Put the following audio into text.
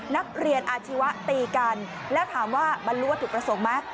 นักเรียนอาชีวะตีกันและถามว่ามันรวดถูกประสงค์ไหม